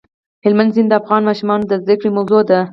هلمند سیند د افغان ماشومانو د زده کړې موضوع ده.